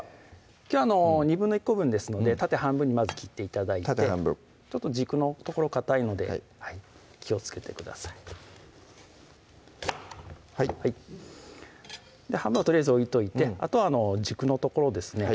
きょうは１／２個分ですので縦半分にまず切って頂いて縦半分ちょっと軸の所かたいので気をつけてください半分はとりあえず置いといてあとは軸の所ですね